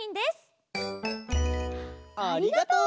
ありがとう。